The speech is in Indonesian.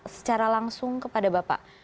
secara langsung kepada bapak